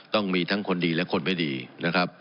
ต้องมีทั้งคนดีและคนไม่ดีนะครับ